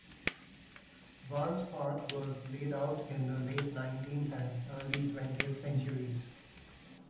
Barnes Park was laid out in the late nineteenth and early twentieth centuries.